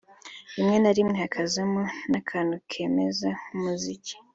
rimwe na rimwe hakazamo n’akantu kemze nk’umuziki